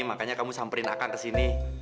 makanya kamu samperin akan kesini